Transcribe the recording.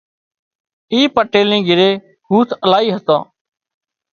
اي پٽيل نِي گھري هوٿ الاهي هتان